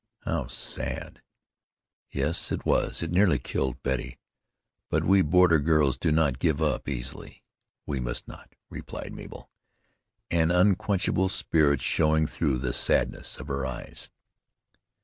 "How sad!" "Yes, it was. It nearly killed Betty. But we border girls do not give up easily; we must not," replied Mabel, an unquenchable spirit showing through the sadness of her eyes.